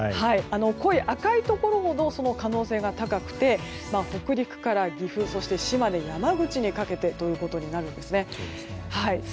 濃い赤いところほどその可能性が高くて北陸から岐阜、島根、山口にかけてということになります。